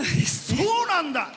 そうなんだ！